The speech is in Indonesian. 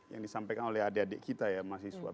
yang disampaikan oleh adik adik kita ya mahasiswa